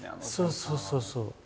そうそうそうそう。